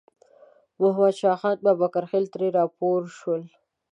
محمد شاه خان بابکرخېل ترې راپورته شول.